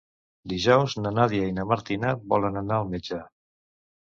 Dijous na Nàdia i na Martina volen anar al metge.